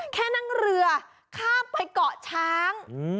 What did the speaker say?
แค่นั่งเรือข้ามไปเกาะช้าง